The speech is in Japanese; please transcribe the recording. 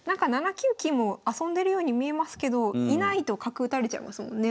７九金も遊んでるように見えますけどいないと角打たれちゃいますもんね。